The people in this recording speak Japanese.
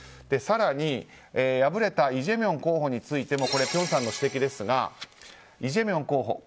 更に、敗れたイ・ジェミョン候補についても辺さんの指摘ですがイ・ジェミョン候補